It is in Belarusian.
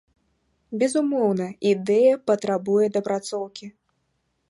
Безумоўна, ідэя патрабуе дапрацоўкі.